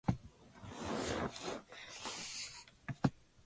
Moreover, they both refer to the same version of the Prometheus myth.